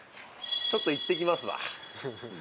ちょっと行ってきますわ。